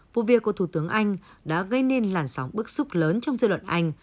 vụ việc của thủ tướng anh đã gây nên làn sóng bức xúc lớn trong dư luận anh